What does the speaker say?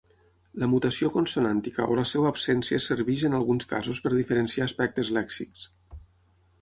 La mutació consonàntica o la seva absència serveix en alguns casos per diferenciar aspectes lèxics.